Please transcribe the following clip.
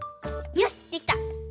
よしできた！